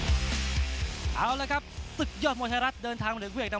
นักมวยจอมคำหวังเว่เลยนะครับรายนี้จากใต้จอมคำหวังเว่เลยนะครับ